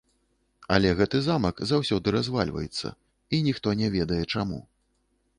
Але гэты замак заўсёды развальваецца, і ніхто не ведае, чаму.